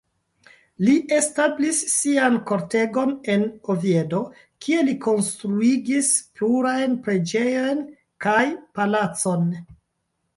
Li establis sian kortegon en Oviedo, kie li konstruigis plurajn preĝejojn kaj palacon.